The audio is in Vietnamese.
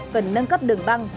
cần nâng cấp đường băng